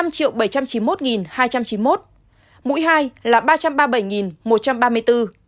tổng số mũi hai là ba ba trăm chín mươi một hai trăm chín mươi một mũi hai là ba trăm ba mươi bảy một trăm ba mươi bốn